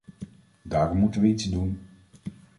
Daarom moesten we iets doen.